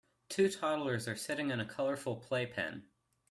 Two toddlers are sitting in a colorful playpen.